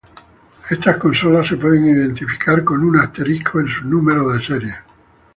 Estas consolas se pueden identificar con un asterisco en sus números de serie.